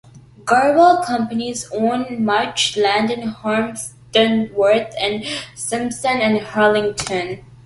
Gravel companies own much land in Harmondsworth and Sipson and Harlington.